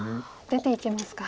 出ていけますか。